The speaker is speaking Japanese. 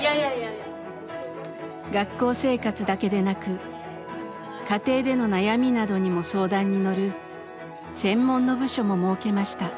学校生活だけでなく家庭での悩みなどにも相談に乗る専門の部署も設けました。